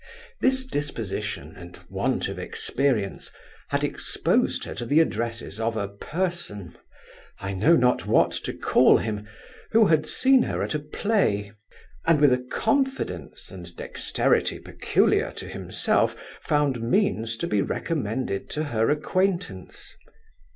This disposition, and want of experience, had exposed her to the addresses of a person I know not what to call him, who had seen her at a play; and, with a confidence and dexterity peculiar to himself, found means to be recommended to her acquaintance.